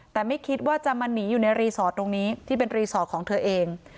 แต่ไม่คิดว่าจะมาหนีอยู่ในรีสอร์ทตรงนี้ที่เป็นรีสอร์ทของเธอเอง